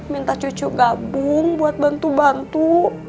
minta cucu gabung buat bantu bantu